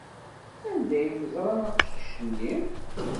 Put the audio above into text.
Anda ay teẓram aqcic-nni?